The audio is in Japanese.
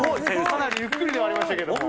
かなりゆっくりではありましたけれども。